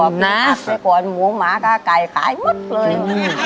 ไม่ตายเดี๋ยวก่อนหมูหมาก็ไก่หมดเลย